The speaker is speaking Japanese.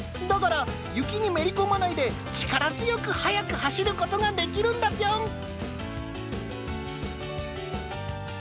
だから雪にめり込まないで力強く速く走ることができるんだピョン。